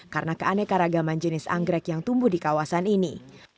karena keaneka ragaman jenis anggrek yang tumbuh di kawasan ini